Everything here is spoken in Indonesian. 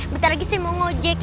bentar lagi saya mau ngojek